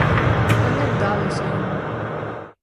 Та не вдалося йому.